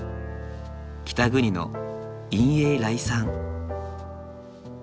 北国の陰影礼賛。